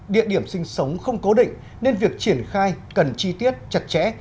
địa điểm sinh sống không cố định nên việc triển khai cần chi tiết chặt chẽ